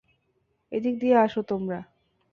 এদিক দিয়ে আসো তোমরা!